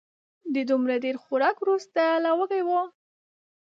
د دومره ډېر خوراک وروسته لا وږی و